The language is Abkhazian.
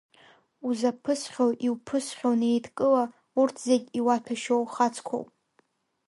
Узаԥысхьоу иуԥысхьоу неидкыла, урҭ зегь иуаҭәашьоу хацқәоуп.